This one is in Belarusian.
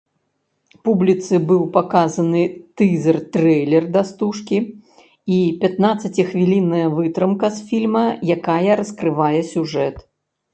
Публіцы быў паказаны тызер-трэйлер да стужкі і пятнаццаціхвілінная вытрымка з фільма, якая раскрывае сюжэт.